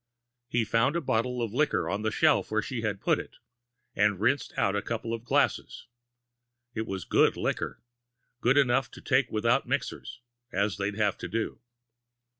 He found a bottle of liquor on the shelf where she had put it, and rinsed out a couple of glasses. It was good liquor good enough to take without mixers, as they'd have to do.